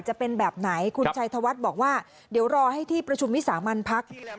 จะเป็นแบบไหนคุณชัยธวัฒน์บอกว่าเดี๋ยวรอให้ที่ประชุมวิสามันพัก